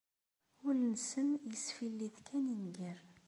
Ul-nsen isfillit kan i nnger.